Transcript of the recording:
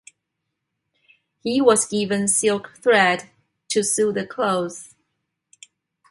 He was given silk thread to sew the clothes.